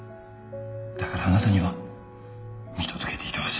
だからあなたには見届けていてほしい